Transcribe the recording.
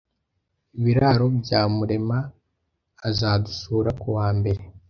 Biraro bya Murema azadusura kuwambere